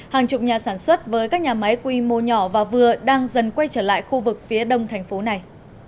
hàng chục nhà sản xuất với các nhà máy quy mô nhỏ và vừa đang dần quay trở lại khu vực phía đông thành phố này